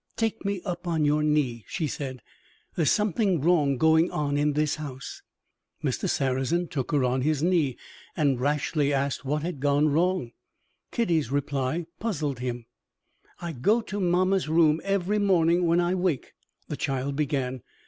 "Take me up on your knee," she said. "There's something wrong going on in this house." Mr. Sarrazin took her on his knee, and rashly asked what had gone wrong. Kitty's reply puzzled him. "I go to mamma's room every morning when I wake," the child began.